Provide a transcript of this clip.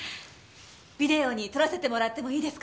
ビデオに撮らせてもらってもいいですか？